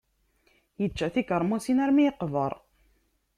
Yečča tikermusin armi yeqber.